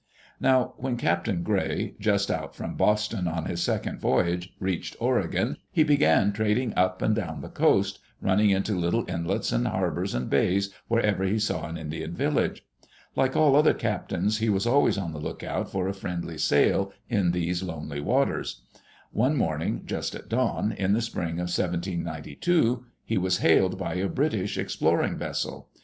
Now, when Captain Gray, just out from Boston on his second voyage, reached Oregon, he began trading up and down the coast, running into the little inlets and harbors and bays wherever he saw an Indian village. Like all other captains, he was always on the lookout for a friendly sail in those lonely waters. One morning, just at dawn, in the spring of 1792, he was hailed by a British exploring vessel.